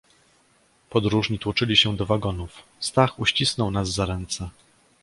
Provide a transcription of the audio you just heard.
"Podróżni tłoczyli się do wagonów; Stach uścisnął nas za ręce."